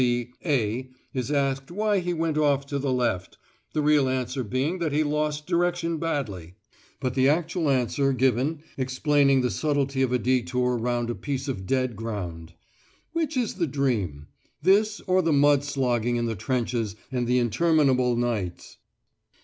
C. "A" is asked why he went off to the left, the real answer being that he lost direction badly, but the actual answer given explaining the subtlety of a detour round a piece of dead ground! Which is the dream? this, or the mud slogging in the trenches and the interminable nights?